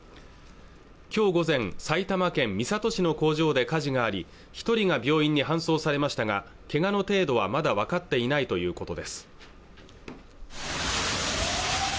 きょう午前埼玉県三郷市の工場で火事があり一人が病院に搬送されましたがけがの程度はまだわかっていないということです